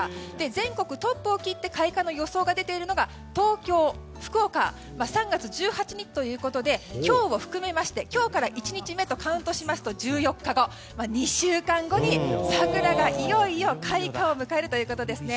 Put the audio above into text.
全国トップを切って開花予想が出ているのが東京、福岡３月１８日ということなので今日から１日目とカウントしますと１４日後２週間後に桜がいよいよ開花を迎えるということですね。